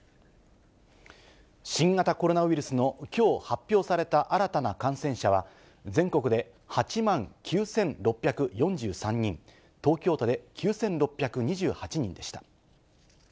新型コロナウイルスのきょう発表された新たな感染者は、全国で８万９６４３人、東京都で９６２８人でした。